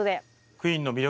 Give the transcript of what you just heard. クイーンの魅力